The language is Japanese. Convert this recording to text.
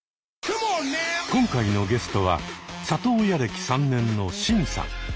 今回のゲストは里親歴３年のシンさん。